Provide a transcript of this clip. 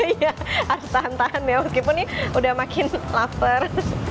iya harus tahan tahan ya meskipun ini udah makin lafer